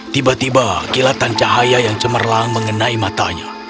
tiba tiba kilatan cahaya yang cemerlang mengenai matanya